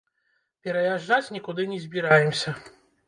Пераязджаць нікуды не збіраемся.